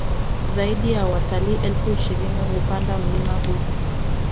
Zaidi ya watalii elfu ishirini hupanda mlima huu